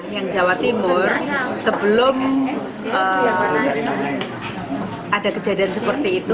yang jawa timur sebelum ada kejadian seperti itu